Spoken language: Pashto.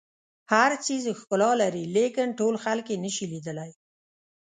هر څیز ښکلا لري لیکن ټول خلک یې نه شي لیدلی.